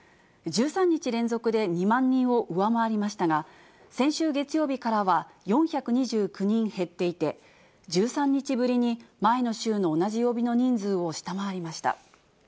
１３日連続で２万人を上回りましたが、先週月曜日からは４２９人減っていて、１３日ぶりに前の週の同じ曜日の人数を下回りました。